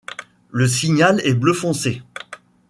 Le signal est bleu foncé.